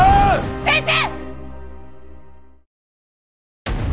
先生！